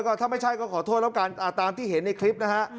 ก็ถ้าไม่ใช่ก็ขอโทษแล้วกันตามที่เห็นในคลิปนะฮะ